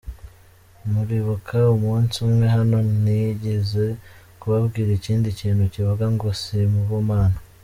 Muribuka, umunsi umwe hano, nigize kubabwira ikindi kintu kivuga ngo: ‘si bo Mana’.